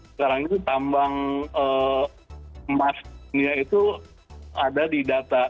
sekarang itu tambang emasnya itu ada di data